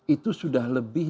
itu sudah lebih